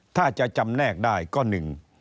ถ้าจะจำแนกได้ก็หนึ่ง